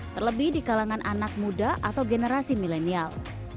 terlebih di kalangan anak muda atau generasi milenial